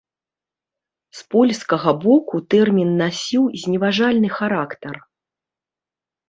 З польскага боку тэрмін насіў зневажальны характар.